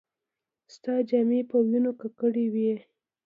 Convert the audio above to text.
ستا جامې په وينو ککړې وې.